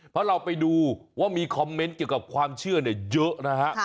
เพราะเราไปดูว่ามีคอมเมนต์เกี่ยวกับความเชื่อเยอะนะฮะ